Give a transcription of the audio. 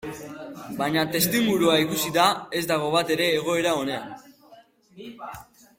Baina testuingurua ikusita ez dago batere egoera onean.